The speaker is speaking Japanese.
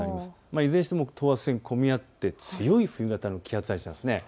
いずれにしても等圧線混み合って強い冬型の気圧配置なんです。